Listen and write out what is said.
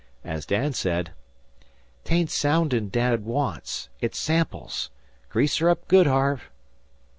As Dan said: "'Tain't soundin's dad wants. It's samples. Grease her up good, Harve."